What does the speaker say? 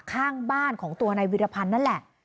ข้างบ้านของตัวนายวิรพันธ์นั่นแหละ